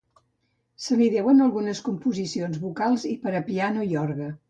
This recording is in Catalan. Se li deuen algunes composicions vocals i per a piano i orgue.